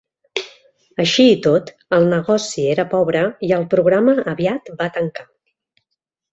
Així i tot, el negoci era pobre i el programa aviat va tancar.